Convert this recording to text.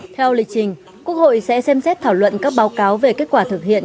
theo lịch trình quốc hội sẽ xem xét thảo luận các báo cáo về kết quả thực hiện